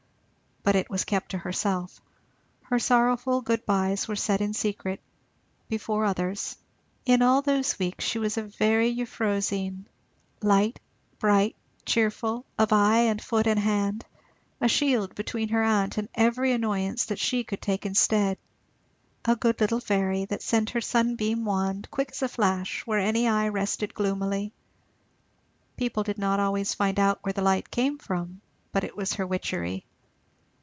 But it was kept to herself; her sorrowful good byes were said in secret; before others, in all those weeks she was a very Euphrosyne; light, bright, cheerful, of eye and foot and hand; a shield between her aunt and every annoyance that she could take instead; a good little fairy, that sent her sunbeam wand, quick as a flash, where any eye rested gloomily. People did not always find out where the light came from, but it was her witchery.